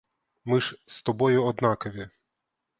Ми ж з тобою однакові.